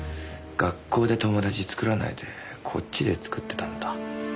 学校で友達作らないでこっちで作ってたんだ。